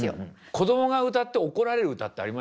子供が歌って怒られる歌ってありましたよね。